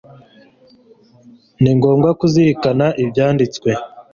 ni ngombwa kuzirikana ibyanditswe